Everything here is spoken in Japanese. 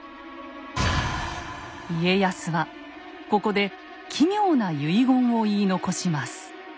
家康はここで奇妙な遺言を言い残します。